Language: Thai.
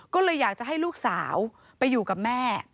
ก็เลยอยากจะให้ลูกสาวไปอยู่กับแม่